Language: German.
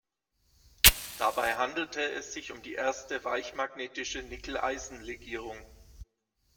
Dabei handelte es sich um die erste weichmagnetische Nickel-Eisen-Legierung.